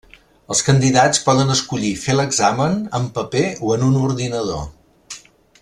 Els candidats poden escollir fer l'examen en paper o en un ordinador.